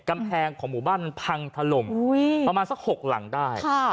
กำแพงของหมู่บ้านมันพังทะลมอุ้ยประมาณสักหกหลังได้ค่ะ